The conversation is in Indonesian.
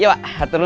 itu ada di rupu